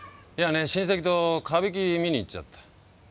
いやね親戚と歌舞伎見に行っちゃった。